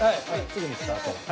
すぐにスタート。